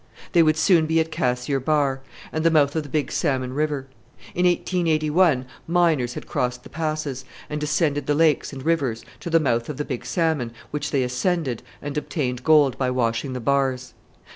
They would soon be at Cassiar Bar, and the mouth of the Big Salmon River. In 1881 miners had crossed the Passes, and descended the lakes and rivers, to the mouth of the Big Salmon, which they ascended, and obtained gold by washing the bars.